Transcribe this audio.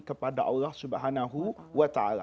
kepada allah swt